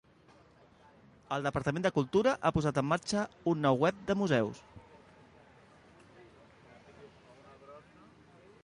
El Departament de Cultura ha posat en marxa un nou web de museus.